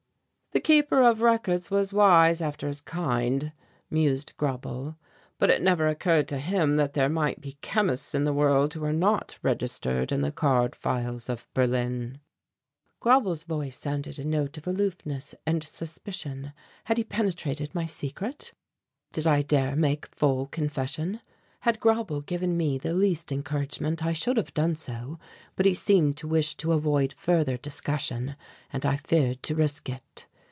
"The Keeper of Records was wise after his kind," mused Grauble, "but it never occurred to him that there might be chemists in the world who are not registered in the card files of Berlin." Grauble's voice sounded a note of aloofness and suspicion. Had he penetrated my secret? Did I dare make full confession? Had Grauble given me the least encouragement I should have done so, but he seemed to wish to avoid further discussion and I feared to risk it.